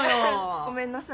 ごめんなさい。